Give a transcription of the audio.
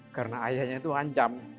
karena ayahnya itu ancam